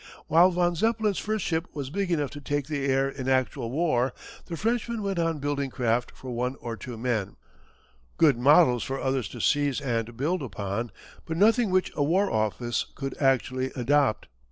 While von Zeppelin's first ship was big enough to take the air in actual war the Frenchman went on building craft for one or two men good models for others to seize and build upon, but nothing which a war office could actually adopt.